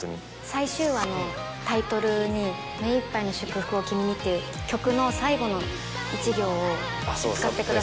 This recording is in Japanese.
最終話のタイトルに「目一杯の祝福を君に」っていう曲の最後の１行を使ってくださって。